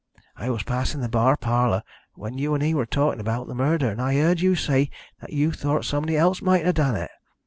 I was passing the bar parlour when you and he were talking about the murder, and I heard you say that you thought somebody else might have done it.